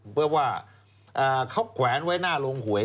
เพื่อว่าเขาแขวนไว้หน้าโรงหวย